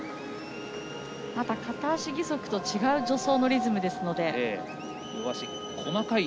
片足義足と違う助走のリズムです。